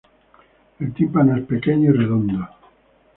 El tímpano es pequeño y redondo.